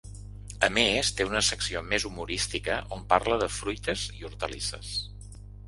A més, té una secció més humorística on parla de fruites i hortalisses.